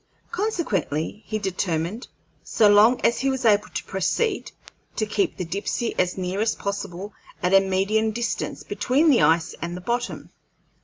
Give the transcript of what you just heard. Consequently he determined, so long as he was able to proceed, to keep the Dipsey as near as possible at a median distance between the ice and the bottom.